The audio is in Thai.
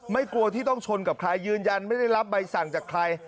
กลัวที่ต้องชนกับใครยืนยันไม่ได้รับใบสั่งจากใคร